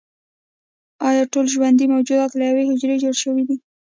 ایا ټول ژوندي موجودات له یوې حجرې جوړ دي